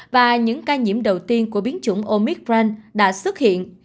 và những ca nhiễm đầu tiên của biến chủng omicron đã xuất hiện